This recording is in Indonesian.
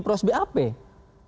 mendingnya proses bap